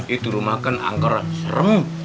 itu rumah kan anggaran serem